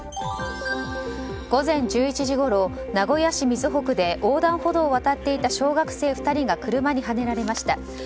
午前１１時ごろ名古屋市瑞穂区で横断歩道を渡っていた小学生２人が車にはねられました。